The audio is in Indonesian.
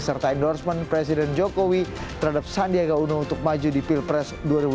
serta endorsement presiden jokowi terhadap sandiaga uno untuk maju di pilpres dua ribu dua puluh